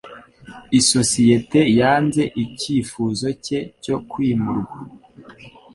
Isosiyete yanze icyifuzo cye cyo kwimurwa.